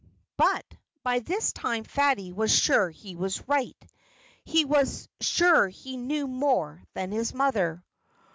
But by this time Fatty was sure he was right. He was sure he knew more than his mother.